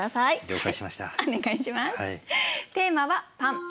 はい。